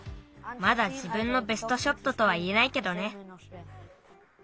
まだじぶんのベストショットとはいえないけどね。